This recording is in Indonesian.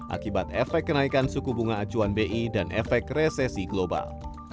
akibat efek kenaikan suku bunga acuan bi dan efek resesi global